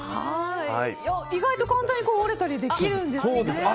意外と簡単にできるんですね。